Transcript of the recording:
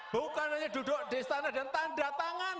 bukan hanya duduk di istana dan tanda tangan